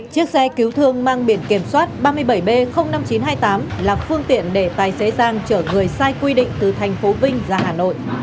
chiếc xe cứu thương mang biển kiểm soát ba mươi bảy b năm nghìn chín trăm hai mươi tám là phương tiện để tài xế giang chở người sai quy định từ thành phố vinh ra hà nội